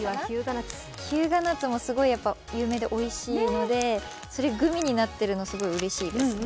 日向夏もすごい有名でおいしいのでそれがグミになっているのすごいうれしいですね。